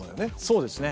そうですね。